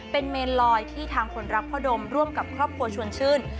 เป็นเมนลอยที่ทางคนรักพ่อดมร่วมกับครอบครัวชวนชื่น